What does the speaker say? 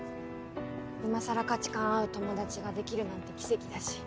今更価値観合う友達ができるなんて奇跡だし。